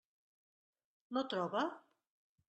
No troba?